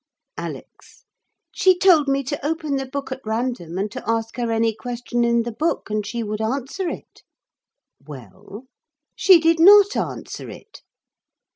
Alix. She told me to open the book at random and to ask her any question in the book, and she would answer it. "Well?" "She did not answer it."